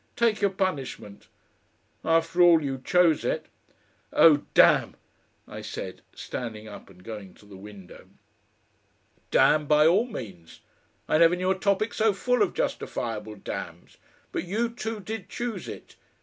Take your punishment After all, you chose it." "Oh, damn!" I said, standing up and going to the window. "Damn by all means. I never knew a topic so full of justifiable damns. But you two did choose it.